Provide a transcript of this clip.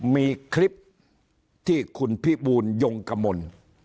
มีคลิปที่คุณพิบูลยงกมล